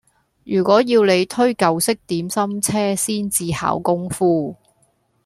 如果要你推舊式點心車先至考功夫